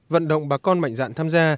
vận động bà con mạnh dạn tham gia